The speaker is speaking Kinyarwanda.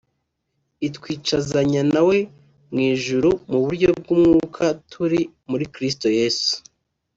itwicazanya nawe mu ijuru mu buryo bw’umwuka turi muri kristo Yesu